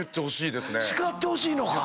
叱ってほしいのか。